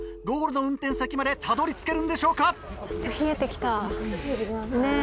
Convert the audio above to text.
ゴールの運転席までたどり着けるんでしょうか。